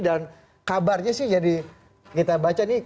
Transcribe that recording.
dan kabarnya sih jadi kita baca nih